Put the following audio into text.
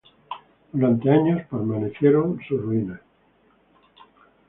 Durante años permanecieron sus ruinas.